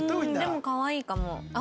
でもかわいいかも。